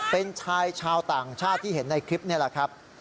เป็นชายชาวต่างชาติที่เห็นในคลิปนี่แหละครับ